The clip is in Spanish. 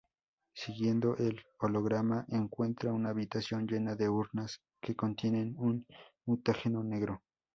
Siguiendo el holograma, encuentra una habitación llena de urnas que contienen un mutágeno negro.